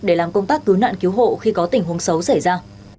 để làm công tác cứu nạn cứu hộ khi có tình huống xấu xảy ra